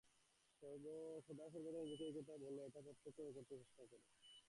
সদাসর্বদা নিজেকে এই কথা বলো এবং এটি প্রত্যক্ষ করতে চেষ্টা কর।